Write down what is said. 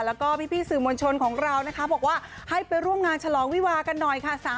แล้วก็พี่สื่อมวลชนของเรานะคะบอกว่าให้ไปร่วมงานฉลองวิวากันหน่อยค่ะ